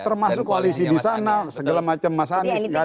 termasuk koalisi di sana segala macam mas anies